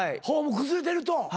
フォーム崩れてると。